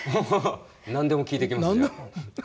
何でも聞いていきますじゃあ。